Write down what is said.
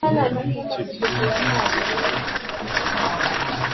muri icyo gihe, munezero yari i boston